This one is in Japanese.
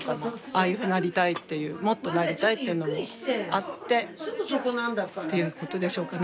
ああいうふうになりたいっていうもっとなりたいっていうのもあってっていうことでしょうかね